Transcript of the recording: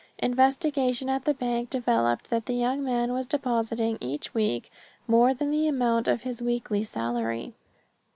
Investigation at the bank developed that the young man was depositing each week more than the amount of his weekly salary.